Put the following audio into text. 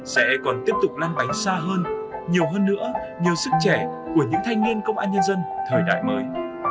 sẽ còn tiếp tục lan bánh xa hơn nhiều hơn nữa nhiều sức trẻ của những thanh niên công an nhân dân thời đại mới